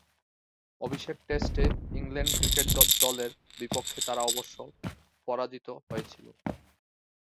অভিষেক টেস্টে England cricket দলের বিপক্ষে তারা অবশ্য পরাজিত হয়েছিল।